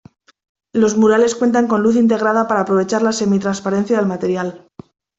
Los murales cuentan con luz integrada para aprovechar la semi transparencia del material.